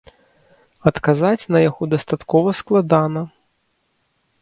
Адказаць на яго дастаткова складана.